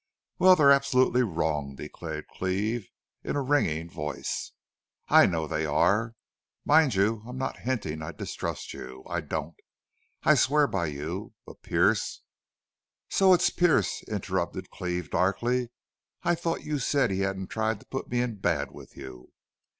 "Well, they're absolutely wrong," declared Cleve, in a ringing voice. "I know they are. Mind you I'm not hinting I distrust you. I don't. I swear by you. But Pearce " "So it's Pearce," interrupted Cleve, darkly. "I thought you said he hadn't tried to put me in bad with you."